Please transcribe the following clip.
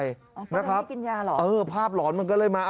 อ๋อก็ยังไม่กินยาเหรออืมภาพหลอนมันก็เลยมา